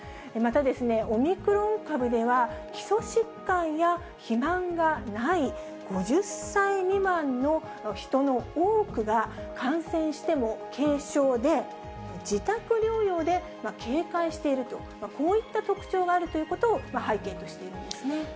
またですね、オミクロン株では、基礎疾患や肥満がない５０歳未満の人の多くが、感染しても軽症で、自宅療養で軽快していると、こういった特徴があるということを背景としているんですね。